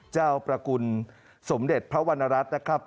ประกุลสมเด็จพระวรรณรัฐนะครับ